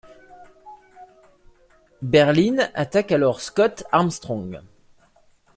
Berlyn attaque alors Scott Armstrong.